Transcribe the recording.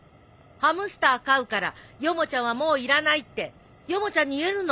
ハムスター飼うからヨモちゃんはもういらないってヨモちゃんに言えるの？